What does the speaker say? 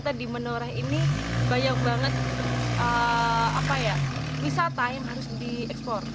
kita di menoreh ini banyak banget wisata yang harus diekspor